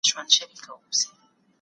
په سوداګرۍ کي بايد د اختيار حق موجود وي.